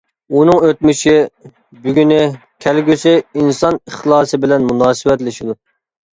ئۇنىڭ ئۆتمۈشى، بۈگۈنى، كەلگۈسى ئىنسان ئىخلاسى بىلەن مۇناسىۋەتلىشىدۇ.